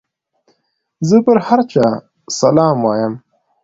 زه پر هر چا سلام وايم.